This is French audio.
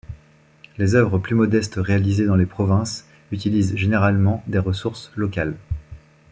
Les œuvres plus modestes réalisées dans les provinces utilisent généralement des ressources locales.